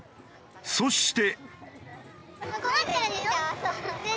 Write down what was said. そして。